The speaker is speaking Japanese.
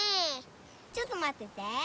ちょっとまってて。